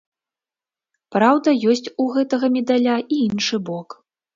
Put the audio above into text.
Праўда, ёсць у гэтага медаля і іншы бок.